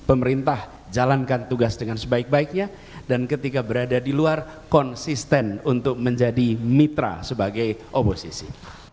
pemerintah jalankan tugas dengan sebaik baiknya dan ketika berada di luar konsisten untuk menjadi mitra sebagai oposisi